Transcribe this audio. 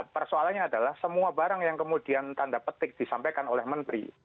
persoalannya adalah semua barang yang kemudian tanda petik disampaikan oleh menteri